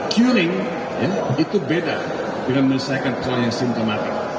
curing itu beda dengan menyesuaikan kelanjutan kemarin